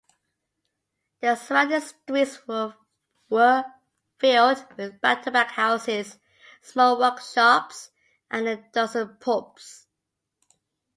The surrounding streets were filled with back-to-back houses, small workshops, and a dozen pubs.